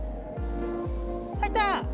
入った！